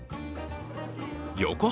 横浜